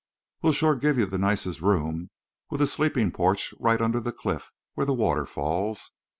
"We'll shore give you the nicest room—with a sleeping porch right under the cliff where the water falls.